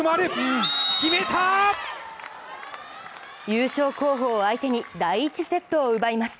優勝候補を相手に第１セットを奪います。